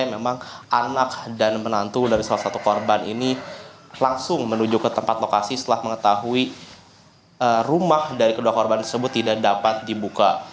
memang anak dan menantu dari salah satu korban ini langsung menuju ke tempat lokasi setelah mengetahui rumah dari kedua korban tersebut tidak dapat dibuka